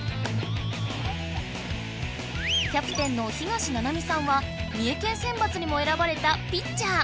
キャプテンの東ななみさんは三重県せんばつにもえらばれたピッチャー。